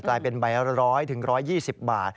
กลายเป็นใบละ๑๐๐ถึง๑๒๐บาท